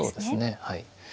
はい。